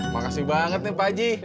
makasih banget nih pak haji